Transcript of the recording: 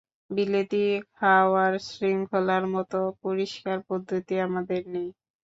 বিলেতী খাওয়ার শৃঙ্খলার মত পরিষ্কার পদ্ধতি আমাদের নেই।